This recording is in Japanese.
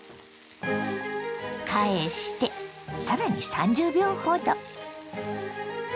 返してさらに３０秒ほど。